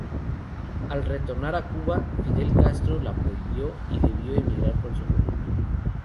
Al retornar a Cuba, Fidel Castro la prohibió, y debió emigrar con su familia.